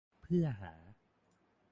เพื่อหา